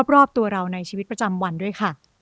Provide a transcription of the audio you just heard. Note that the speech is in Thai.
รอบตัวเราในชีวิตประจำวันด้วยค่ะ